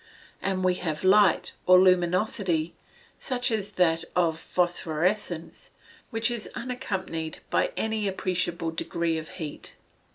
And we have light, or luminosity, such as that of phosophoresence, which is unaccompanied by any appreciable degree of heat.